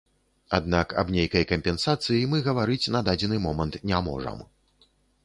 Аднак аб нейкай кампенсацыі мы гаварыць на дадзены момант не можам.